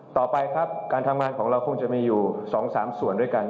ต่อไปครับการทำงานของเราคงจะมีอยู่๒๓ส่วนด้วยกัน